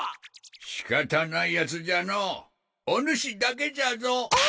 仕方ないヤツじゃのうお主だけじゃぞ。